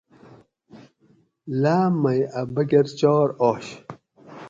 لاۤم مئ اۤ بکۤر چار آش